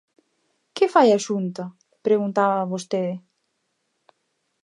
¿Que fai a Xunta?, preguntaba vostede.